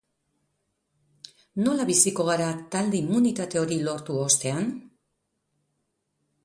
Nola biziko gara talde immunitate hori lortu ostean?